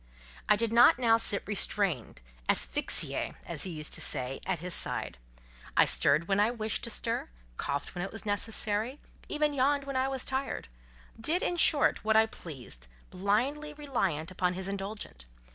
I did not now sit restrained, "asphyxiée" (as he used to say) at his side; I stirred when I wished to stir, coughed when it was necessary, even yawned when I was tired—did, in short, what I pleased, blindly reliant upon his indulgence.